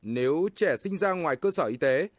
nếu trẻ sinh ra ngoài cơ sở y tế